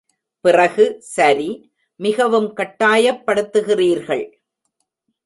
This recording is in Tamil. பிறகு சரி, மிகவும் கட்டாயப் படுத்துகிறீர்கள்.